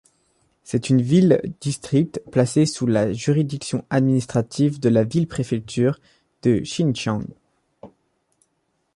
C'est une ville-district placée sous la juridiction administrative de la ville-préfecture de Xinxiang.